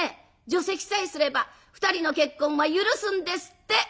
除籍さえすれば２人の結婚は許すんですって。